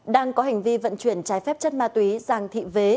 đang có hành vi vận chuyển trái phép chất ma túy giàng thị vế